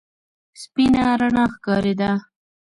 سپينه رڼا ښکارېده.